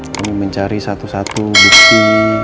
kami mencari satu satu bukti